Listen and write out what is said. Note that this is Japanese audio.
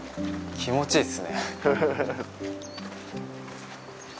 気持ちいいっすね。